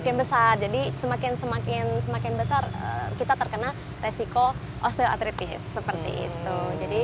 karena jadi semakin semakin semakin besar kita terkena resiko osteoartritis seperti itu jadi